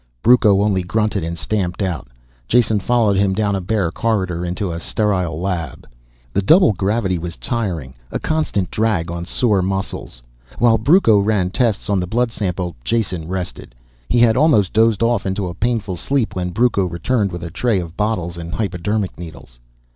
Brucco only grunted and stamped out. Jason followed him down a bare corridor into a sterile lab. The double gravity was tiring, a constant drag on sore muscles. While Brucco ran tests on the blood sample, Jason rested. He had almost dozed off into a painful sleep when Brucco returned with a tray of bottles and hypodermic needles.